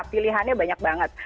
pilihannya banyak banget